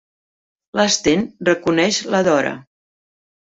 L'Sten reconeix la Dora.